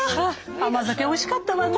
甘酒おいしかったわね。